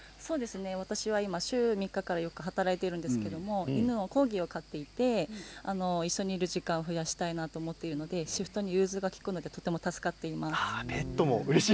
私は週３日から４日働いているんですけど今コーギーを飼っていて一緒にいる時間を増やしたいと思ってシフトに融通が利くのでとても助かっています。